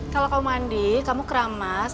kalau kamu mandi kamu keramas